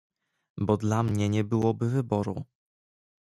"Bo dla mnie nie byłoby wyboru."